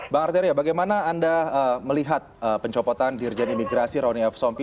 bang arteria bagaimana anda melihat pencopotan dirjen imigrasi roni f sompi